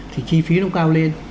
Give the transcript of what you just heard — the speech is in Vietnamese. thì chi phí nó cao lên